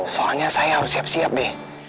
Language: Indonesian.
soalnya saya harus siap siap deh